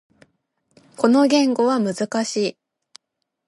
この言語は難しい。